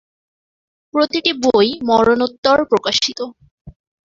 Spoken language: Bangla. প্রতিটি বই মরণোত্তর প্রকাশিত।